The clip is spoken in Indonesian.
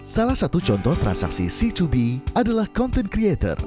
salah satu contoh transaksi c dua b adalah content creator